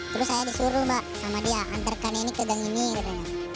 terus saya disuruh mbak sama dia hantarkan ini ke geng ini gitu